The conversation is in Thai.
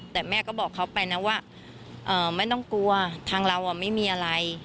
แต่แม่ก็บอกเขาไปนะว่าไม่ต้องกลัวทางเราไม่มีอะไร